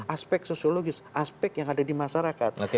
aspek sosiologis aspek yang ada di masyarakat